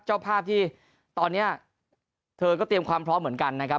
เจ้าภาพที่ตอนนี้เธอก็เตรียมความพร้อมเหมือนกันนะครับ